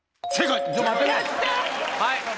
はい！